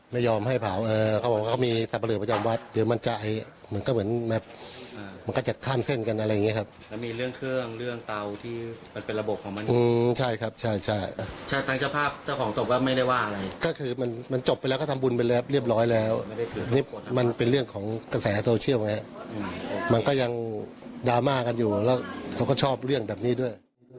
มันก็ยังดราม่ากันอยู่แล้วเขาก็ชอบเรื่องแบบนี้ด้วย